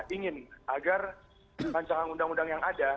ingin agar rancangan undang undang yang ada